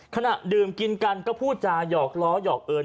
ขณะดื่มกินกันก็พูดจาหยอกล้อหยอกเอิญ